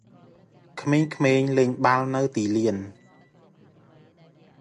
ក្មេងៗលេងបាល់នៅទីលាន។